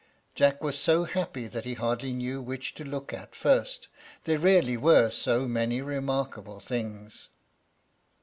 Jack was so happy that he hardly knew which to look at first, there really were so many remarkable things.